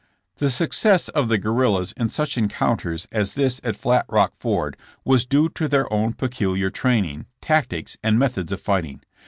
The success of the guerrillas in such encounters as this at Flat Rock Ford was due to their own pecu liar training, tactics and methods of fighting.